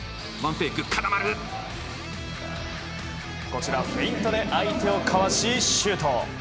こちらフェイントで相手をかわしシュート。